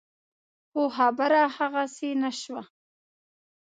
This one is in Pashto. خو خبره هغسې نه شوه.